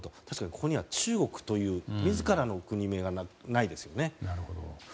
確かにここには中国という自らの国名がないですね。